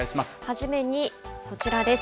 初めにこちらです。